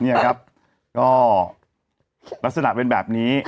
เนี่ยครับก็ลักษณะเป็นแบบนี้